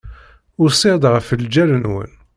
Usiɣ-d ɣef ljal-nwen.